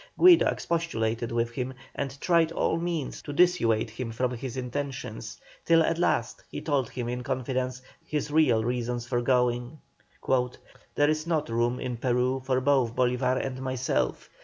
Guido expostulated with him, and tried all means to dissuade him from his intention, till at last he told him in confidence his real reasons for going: "There is not room in Peru for both Bolívar and myself.